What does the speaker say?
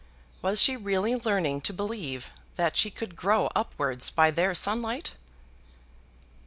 Was she really learning to believe that she could grow upwards by their sunlight?